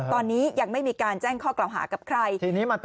ตอนนี้ยังไม่มีการแจ้งข้อกล่าวหากับใคร